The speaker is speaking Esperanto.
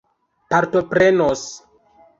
partoprenos